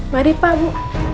mari pak bu